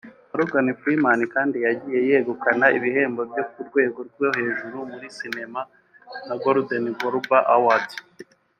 Morgan Freeman kandi yagiye yegukana ibihembo byo ku rwego rwo hejuru muri cinema nka Golden Globe Award